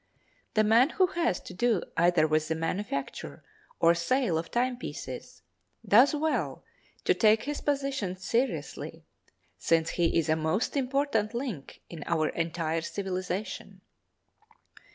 The man who has to do either with the manufacture or sale of timepieces does well to take his position seriously since he is a most important link in our entire civilization.